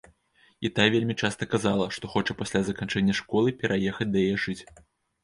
І тая вельмі часта казала, што хоча пасля заканчэння школы пераехаць да яе жыць.